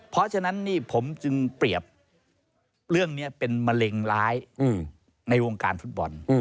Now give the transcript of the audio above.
เพราะฉะนั้นนี่ผมจึงเปรียบเรื่องนี้เป็นมะเร็งร้ายในวงการฟุตบอล